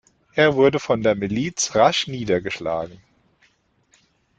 Er wurde von der Miliz rasch niedergeschlagen.